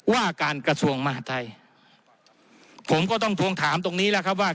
ว่าการกระทรวงมหาทัยผมก็ต้องทวงถามตรงนี้แหละครับว่า